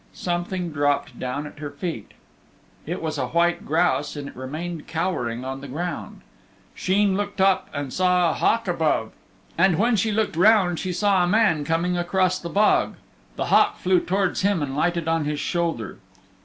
Something dropped down at her feet. It was a white grouse and it remained cowering on the ground. Sheen looked up and she saw a hawk above. And when she looked round she saw a man coming across the bog. The hawk flew towards him and lighted on his shoulder.